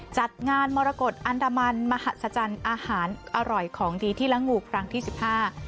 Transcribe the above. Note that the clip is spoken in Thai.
จัดงานมรกฏอันดามันมหัศจรรย์อาหารอร่อยของดีที่ละงูครั้งที่สิบห้า